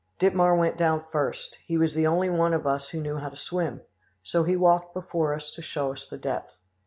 "Dittmar went down first; he was the only one of us who knew how to swim; so he walked before us to show us the depth.